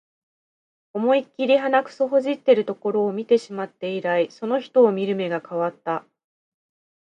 思いっきり鼻くそほじってるところ見てしまって以来、その人を見る目が変わった